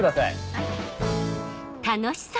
はい。